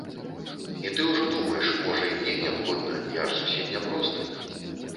І ты ўжо думаеш, можа, і мне неабходна, я ж зусім няпросты?